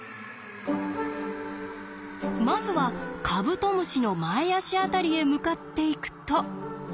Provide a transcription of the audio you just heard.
まずはカブトムシの前足辺りへ向かっていくと。